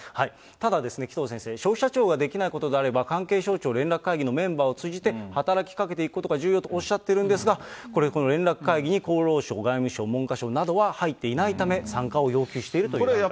ただですね、紀藤先生、消費者庁ができないことであれば、関係省庁連絡会議のメンバーを通じて、働きかけていくことが重要とおっしゃってるんですが、これ、この連絡会議に厚労省、外務省、文科省などは入っていないため、参加を要求しているということです。